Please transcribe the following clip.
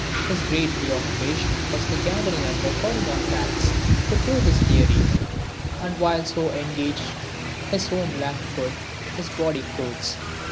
His great preoccupation was the gathering and recording of facts to prove this theory. And while so engaged his home lacked food, his body clothes.